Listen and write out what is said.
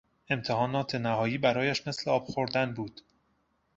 امتحانات نهایی برایش مثل آب خوردن بود.